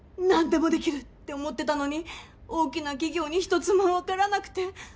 何でもできるって思ってたのに大きな企業に一つも受からなくて。